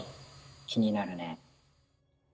気になるね。